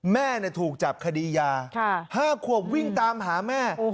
แม่ถูกจับคดียา๕ขวบวิ่งตามหาแม่